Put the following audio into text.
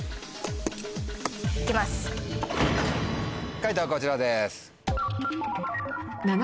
解答こちらです。